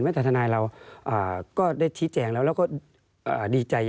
แต่ทนายเราก็ได้ชี้แจงแล้วแล้วก็ดีใจ